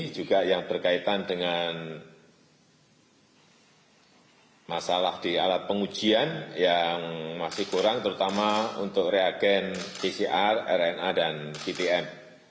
juga yang berkaitan dengan masalah di alat pengujian yang masih kurang terutama untuk reagen pcr rna dan vtm